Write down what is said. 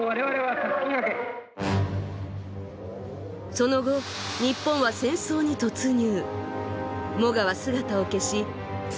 その後日本は戦争に突入。